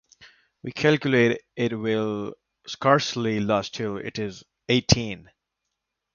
We calculate it will scarcely last till it is eighteen.